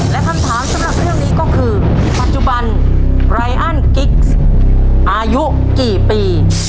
และคำถามสำหรับเรื่องนี้ก็คือปัจจุบันไรอันกิ๊กซ์อายุกี่ปี